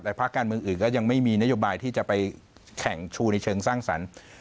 ภาคการเมืองอื่นก็ยังไม่มีนโยบายที่จะไปแข่งชูในเชิงสร้างสรรค์